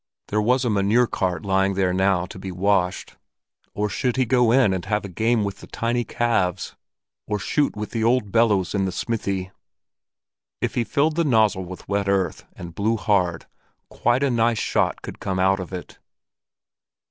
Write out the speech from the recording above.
There was a manure cart lying there now to be washed. Or should he go in and have a game with the tiny calves? Or shoot with the old bellows in the smithy? If he filled the nozzle with wet earth, and blew hard, quite a nice shot could come out of it.